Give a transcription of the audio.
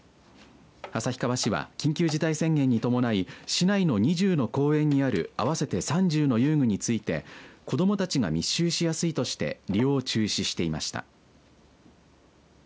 旭川市は、緊急事態宣言に伴い市内の２０の公園にある合わせて３０の遊具について子どもたちが密集しやすいとして利用を中止していました。